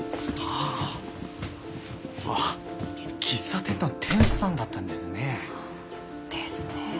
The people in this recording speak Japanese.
あっ喫茶店の店主さんだったんですね。ですね。